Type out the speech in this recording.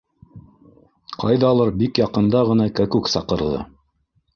Ҡайҙалыр бик яҡында ғына кәкүк саҡырҙы.